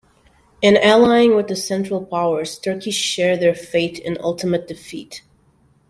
In allying with the Central Powers, Turkey shared their fate in ultimate defeat.